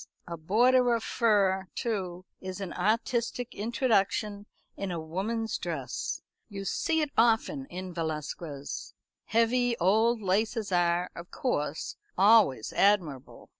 A border of fur, too, is an artistic introduction in a woman's dress you see it often in Velasquez. Heavy old laces are, of course, always admirable.